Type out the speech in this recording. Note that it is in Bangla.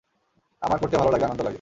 আমার করতে ভালো লাগে, আনন্দ লাগে।